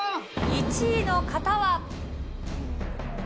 １位の方は。